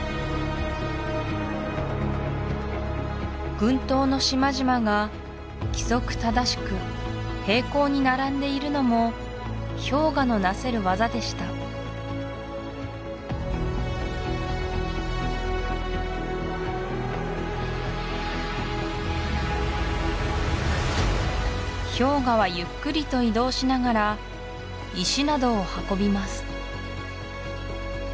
群島の島々が規則正しく平行に並んでいるのも氷河のなせるわざでした氷河はゆっくりと移動しながら石などを運びます